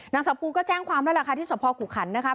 นางศพูก็แจ้งความแล้วล่ะค่ะที่ศพกุขัญนะครับ